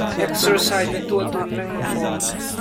Eksersais na tuah tawn lengmang maw?